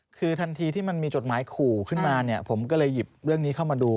คือทันทีที่มันมีจดหมายขู่ขึ้นมาเนี่ยผมก็เลยหยิบเรื่องนี้เข้ามาดู